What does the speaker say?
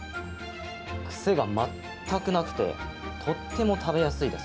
くせが全くなくて、とっても食べやすいです。